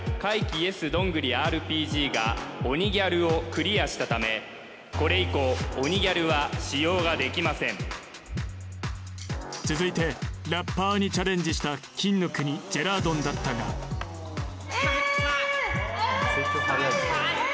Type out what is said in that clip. ＹｅｓどんぐりＲＰＧが鬼ギャルをクリアしたためこれ以降鬼ギャルは使用ができません続いてラッパーにチャレンジした金の国ジェラードンだったがえーんえーんえーん臭い臭い臭い臭い